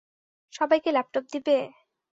সবাইকে ল্যাপটপ দিবে?